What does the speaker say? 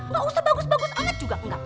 gak usah bagus bagus banget juga enggak